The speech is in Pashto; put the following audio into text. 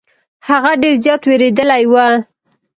هغه ډير زيات ويرويدلې وه.